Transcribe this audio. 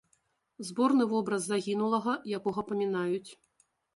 Зборны вобраз загінулага, якога памінаюць.